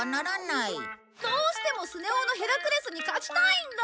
どうしてもスネ夫のヘラクレスに勝ちたいんだ！